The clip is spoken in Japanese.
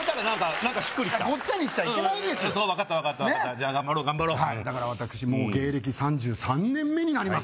何かしっくりきたゴッチャにしちゃいけないんですそう分かった分かった分かったじゃあ頑張ろう頑張ろうだから私もう芸歴３３年目になります